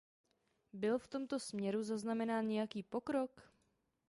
Byl v tomto směru zaznamenán nějaký pokrok?